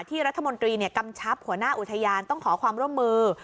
รัฐมนตรีกำชับหัวหน้าอุทยานต้องขอความร่วมมือ